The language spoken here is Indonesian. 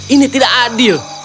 ini tidak adil